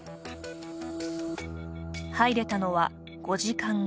入れたのは５時間後。